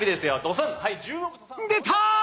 出た！